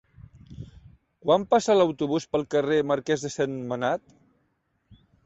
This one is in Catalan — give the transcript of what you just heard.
Quan passa l'autobús pel carrer Marquès de Sentmenat?